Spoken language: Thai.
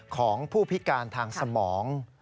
ของผู้พิการทางสมอง